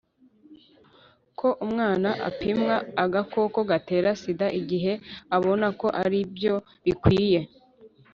ko umwana apimwa agakoko gatera sida igihe abona ko aribyo bikwiye.